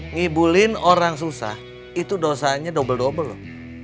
ngibulin orang susah itu dosanya dobel dobel loh